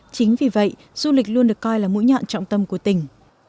chính vì vậy du lịch luôn được coi là mũi nhọn trọng tâm của tỉnh